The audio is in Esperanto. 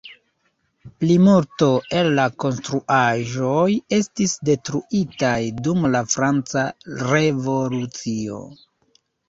Plimulto el la konstruaĵoj estis detruitaj dum la franca revolucio.